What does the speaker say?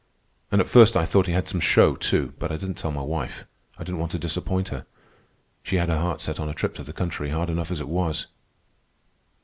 "And at first I thought he had some show, too. But I didn't tell my wife. I didn't want to disappoint her. She had her heart set on a trip to the country hard enough as it was."